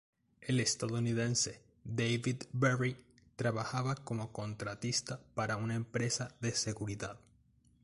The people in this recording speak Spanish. El estadounidense, David Berry, trabajaba como contratista para una empresa de seguridad.